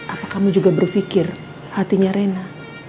apa kamu juga berpikir hatinya rena